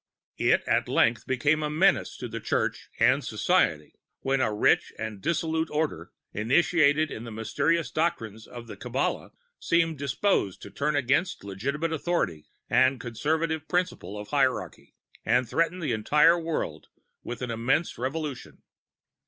It at length became a menace for the Church and Society, when a rich and dissolute Order, initiated in the mysterious doctrines of the Kabalah, seemed disposed to turn against legitimate authority the conservative principle of Hierarchy, and threatened the entire world with an immense revolution.